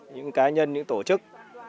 những cá nhân những tổ chức